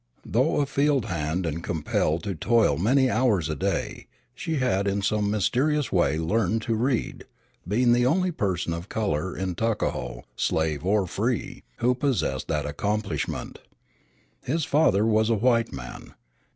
Though a field hand and compelled to toil many hours a day, she had in some mysterious way learned to read, being the only person of color in Tuckahoe, slave or free, who possessed that accomplishment. His father was a white man.